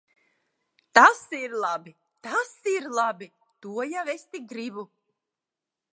Tas ir labi! Tas ir labi! To jau tik es gribu.